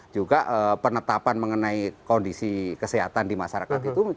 juga penetapan mengenai kondisi kesehatan di masyarakat itu